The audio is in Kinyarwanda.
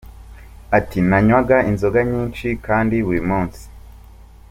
Ati, “Nanywaga inzoga nyinshi kandi buri munsi .